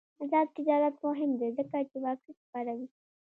آزاد تجارت مهم دی ځکه چې واکسین خپروي.